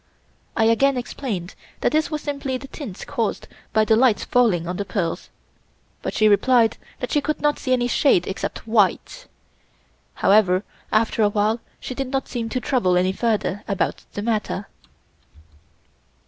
I again explained that this was simply the tints caused by the light falling on the pearls, but she replied that she could not see any shade except white. However, after a while she did not seem to trouble any further about the matter.